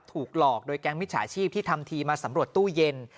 ถูกหลอกโดยแก๊งมิจฉาชีพที่ทำทีมาสำรวจตู้เย็น